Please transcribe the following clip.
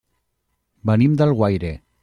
Venim d'Alguaire.